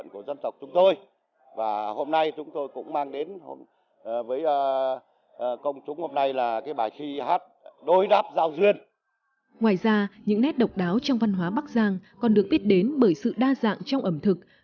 ngoài ra những nét độc đáo trong văn hóa bắc giang còn được biết đến bởi sự đa dạng trong ẩm thực